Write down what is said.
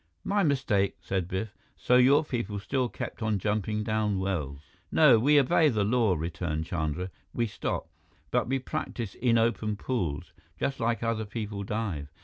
"My mistake," said Biff. "So your people still kept on jumping down wells?" "No, we obey the law," returned Chandra. "We stop. But we practice in open pools, just like other people dive.